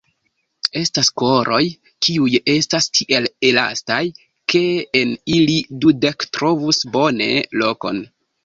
Estas koroj, kiuj estas tiel elastaj, ke en ili dudek trovus bone lokon!